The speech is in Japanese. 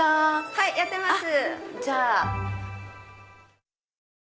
はいやってます。